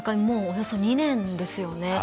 もう、およそ２年ですよね。